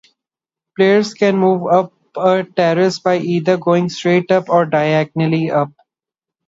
Players can move up a terrace by either going straight up or diagonally up.